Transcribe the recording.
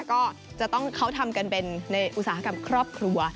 ก็จะต้องเขาทำกันเป็นในอุตสาหกรรมครอบครัว